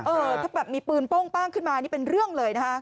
ถ้าแบบมีปืนโป้งป้างขึ้นมานี่เป็นเรื่องเลยนะคะ